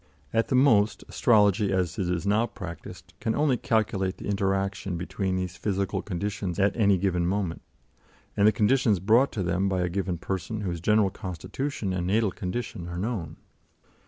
At the most, astrology, as it is now practised, can only calculate the interaction between these physical conditions at any given moment, and the conditions brought to them by a given person whose general constitution and natal condition are known.